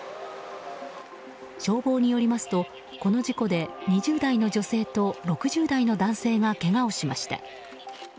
消防によりますと、この事故で２０代の女性と６０代の男性がけがをしました。